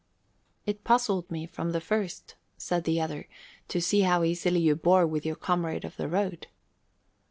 "It puzzled me from the first," said the other, "to see how easily you bore with your comrade of the road."